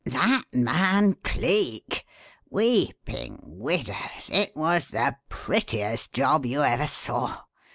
"That man Cleek. Weeping Widows! It was the prettiest job you ever saw.